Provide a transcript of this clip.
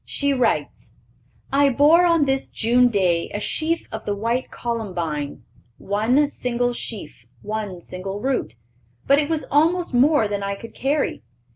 She writes: "I bore on this June day a sheaf of the white columbine, one single sheaf, one single root; but it was almost more than I could carry.